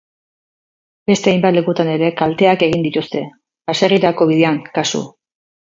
Beste hainbat lekutan ere kalteak egin zituzten, baserrirako bidean, kasu.